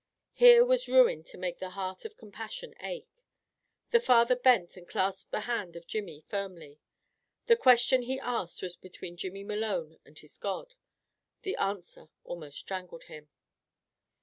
Here was ruin to make the heart of compassion ache. The Father bent and clasped the hand of Jimmy firmly. The question he asked was between Jimmy Malone and his God. The answer almost strangled him.